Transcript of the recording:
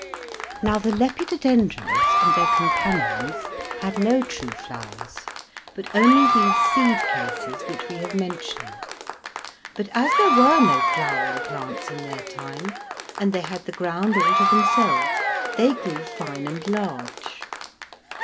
Now the Lipidodendrons and their companions had no true flowers, but only these seed cases which we have mentioned; but as there were no flowering plants in their time, and they had the ground all to themselves, they grew fine and large.